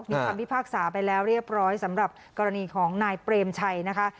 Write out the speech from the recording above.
มีคำพิพากษาไปแล้วเรียบร้อยสำหรับกรณีของนายเปรมชัยนะคะ